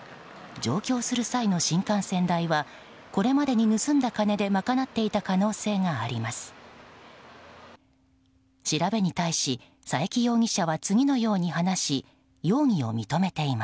上京する際の新幹線代はこれまでに盗んだ金で賄っていた可能性があります。